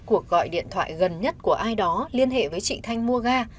cuộc gọi điện thoại gần nhất của ai đó liên hệ với chị thanh mua ga